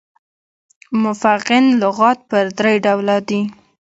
مفغن لغات پر درې ډوله دي.